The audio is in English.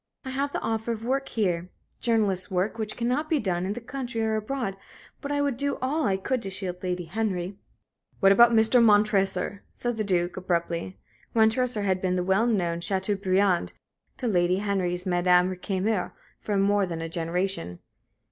I have the offer of work here journalist's work which cannot be done in the country or abroad. But I would do all I could to shield Lady Henry." "What about Mr. Montresor?" said the Duke, abruptly. Montresor had been the well known Châteaubriand to Lady Henry's Madame Récamier for more than a generation.